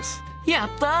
やった！